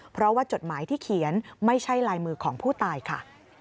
เพราะว่าจดหมายที่เขียนไม่ใช่ลายมือของผู้ตายค่ะ